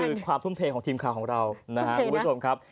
อันนี้คือความทุ่มเทของทีมข่าวของเรานะครับ